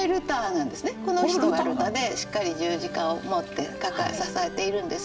この人がルターでしっかり十字架を持って支えているんです。